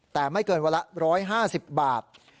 แต่ไม่เกินวันละ๑๕๐บาท